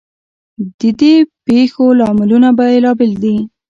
ددې پیښو لاملونه بیلابیل دي.